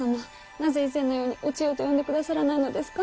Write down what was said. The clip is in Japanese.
なぜ以前のようにお千代と呼んでくださらないのですか。